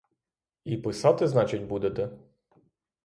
І писати, значить, будете?